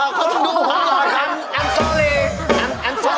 เอ่อก็ต้องถูกเป็นคำ